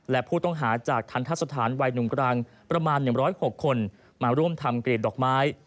และผู้ต้องหาจากทันทะสถานวัยหนุ่มกลางประมาณ๑๐๖คนมาร่วมทำเกรดดอกไม้